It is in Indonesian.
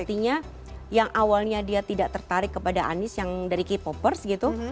karena yang awalnya dia tidak tertarik kepada anies yang dari kpopers gitu